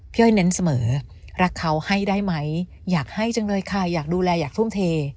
อ้อยเน้นเสมอรักเขาให้ได้ไหมอยากให้จังเลยค่ะอยากดูแลอยากทุ่มเท